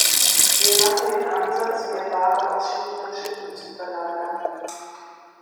Wir machen den Ansatz, mehr Ware auf Schiene und Schiffe zu verlagern.